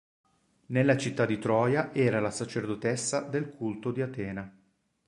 Nella città di Troia era la sacerdotessa del culto di Atena.